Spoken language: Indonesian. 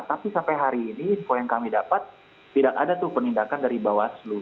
tapi sampai hari ini info yang kami dapat tidak ada tuh penindakan dari bawaslu